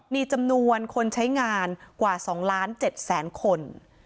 มีจำนวนคนใช้งานกว่า๒ล้าน๗แสนคน